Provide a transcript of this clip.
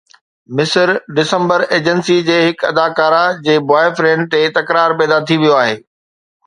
مصر December agency جي هڪ اداڪارا جي بوائے فرينڊ تي تڪرار پيدا ٿي ويو آهي